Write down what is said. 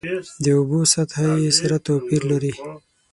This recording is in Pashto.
د اوبو سطحه یې سره توپیر لري.